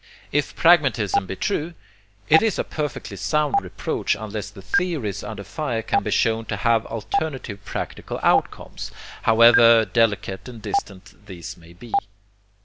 If pragmatism be true, it is a perfectly sound reproach unless the theories under fire can be shown to have alternative practical outcomes, however delicate and distant these may be.